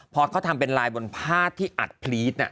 พอเขาทำเป็นลายบนผ้าที่อัดพลีต